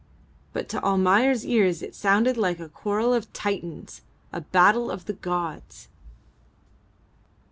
But to Almayer's ears it sounded like a quarrel of Titans a battle of the gods.